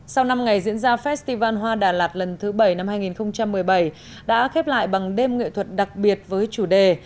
sau năm ngày diễn ra festival hoa đà lạt lần thứ bảy năm hai nghìn một mươi bảy đã khép lại bằng đêm nghệ thuật đặc biệt với chủ đề